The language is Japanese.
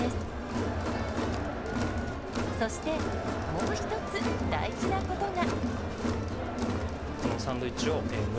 そしてもう一つ大事なことが。